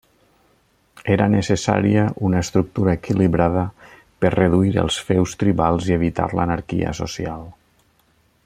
Era necessària una estructura equilibrada per reduir els feus tribals i evitar l'anarquia social.